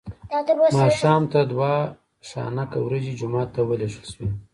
ماښام ته دوه خانکه وریجې جومات ته ولېږل شوې.